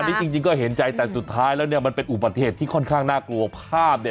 อันนี้จริงก็เห็นใจแต่สุดท้ายแล้วมันเป็นอุบัติเหตุที่ค่อนข้างน่ากลัวภาพ